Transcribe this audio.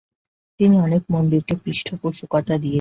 তিনি অনেক মন্দিরকে পৃষ্ঠপোষকতা দিয়েছিলেন।